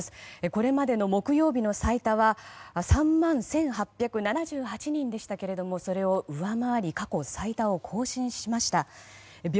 これまでの木曜日の最多は３万１８７８人でしたけれどもそれを上回り過去最多を更新しました。